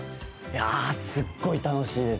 いやすっごい楽しいですね。